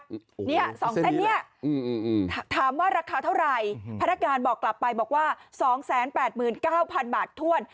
โอ้โฮอันนี้แหละสองเส้นนี้ถามว่าราคาเท่าไรพนักงานบอกกลับไปบอกว่า๒๘๙๐๐๐บาทถ้วน